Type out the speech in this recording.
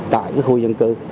tại khu dân cư